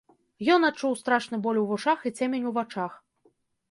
Ён адчуў страшны боль у вушах і цемень у вачах.